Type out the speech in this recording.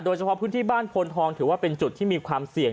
เฉพาะพื้นที่บ้านโพนทองถือว่าเป็นจุดที่มีความเสี่ยง